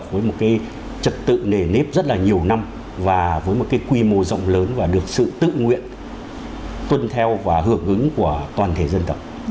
với một cái trật tự nề nếp rất là nhiều năm và với một cái quy mô rộng lớn và được sự tự nguyện tuân theo và hưởng ứng của toàn thể dân tộc